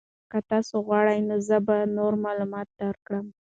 که تاسو غواړئ نو زه به نور معلومات درکړم.